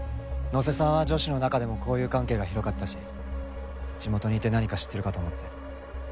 野瀬さんは女子の中でも交友関係が広かったし地元にいて何か知ってるかと思って。